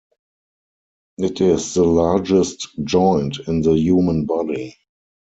It is the largest joint in the human body.